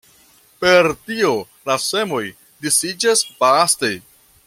Per tio la semoj disiĝas vaste.